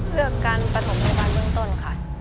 เลือกการประถมพยาบาลเบื้องต้นค่ะ